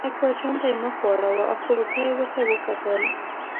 اکبرجان ته یې مخ واړاوه او په غوسه یې ورته وکتل.